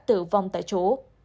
tử vong tại chỗ